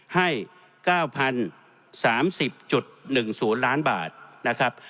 ให้๙๐๓๐๑๐ล้านบาทนะครับ